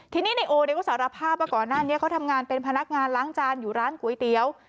ทีนี้ในโอก็สารภาพว่าก่อนหน้านี้เขาทำงานเป็นพนักงานล้างจานอยู่ร้านก๋วยเตี๋ยว